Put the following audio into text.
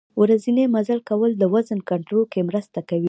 ورځنی مزل کول د وزن کنترول کې مرسته کوي.